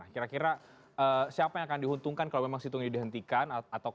kira kira siapa yang akan diuntungkan kalau memang situng ini dihentikan